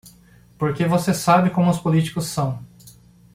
Porque você sabe como os políticos são.